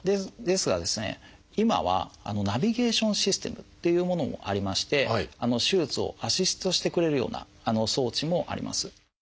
ですが今はナビゲーションシステムっていうものもありまして手術をアシストしてくれるような装置もあります。